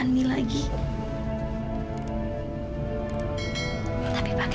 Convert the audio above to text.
terima kasih pak